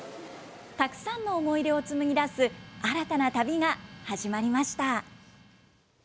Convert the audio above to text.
たくさんの思い出を紡ぎ出す新たな旅が始まりました。